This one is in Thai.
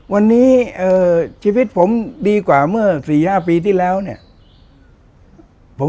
วันนี้ชีวิตผมดีกว่าเมื่อ๔๕ปีที่แล้วเนี่ย